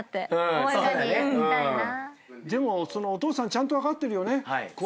でもお父さんちゃんと分かってるよね。